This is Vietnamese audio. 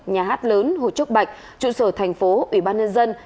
nhà hát lớn hồ trúc bạch trụ sở thành phố ủy ban nhân dân